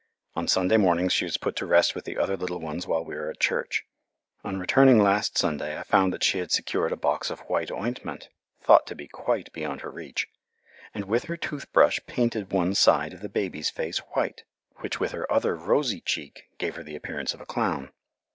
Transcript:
On Sunday mornings she is put to rest with the other little ones while we are at church. On returning last Sunday I found that she had secured a box of white ointment (thought to be quite beyond her reach), and with her toothbrush painted one side of the baby's face white, which with her other rosy cheek gave her the appearance of a clown.